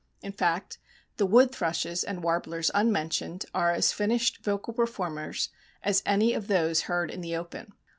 In fact, the wood thrushes and warblers unmentioned are as finished vocal performers as any of those heard in the open.